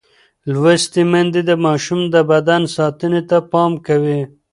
لوستې میندې د ماشوم د بدن ساتنې ته پام کوي.